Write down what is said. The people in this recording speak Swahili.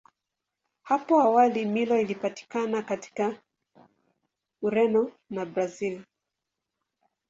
Hapo awali Milo ilipatikana katika Ureno na Brazili.